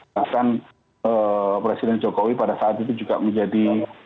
bahkan presiden jokowi pada saat itu juga menjadi